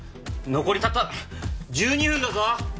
残りたった１２分だぞ！